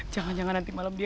jangan jangan nanti malam dia